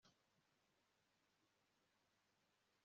nibamara guhanishwa ibihano byoroheje